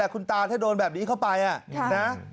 คุณตาถ้าโดนแบบนี้เข้าไปนะ